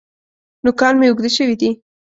نوکان مي اوږده شوي دي .